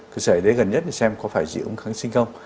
cơ sở đấy gần nhất để xem có phải dị ứng kháng sinh không